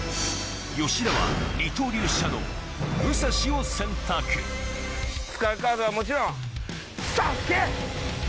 吉田は二刀流シャドウ武蔵を選択使うカードはもちろん佐助！